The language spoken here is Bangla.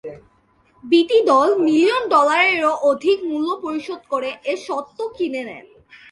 বিটি দশ মিলিয়ন ডলারেরও অধিক মূল্য পরিশোধ করে এ স্বত্ব কিনে নেয়।